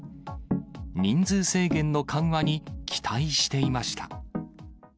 人数制限の緩和に期待していました。